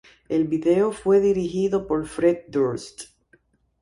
El video fue dirigido por Fred Durst.